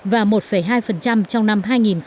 và một hai trong năm hai nghìn hai mươi